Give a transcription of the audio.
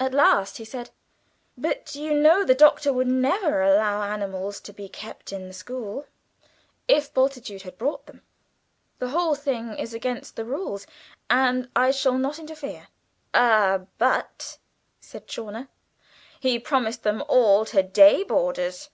At last he said, "But you know the Doctor would never allow animals to be kept in the school, if Bultitude had brought them. The whole thing is against the rules, and I shall not interfere." "Ah, but," said Chawner, "he promised them all to day boarders.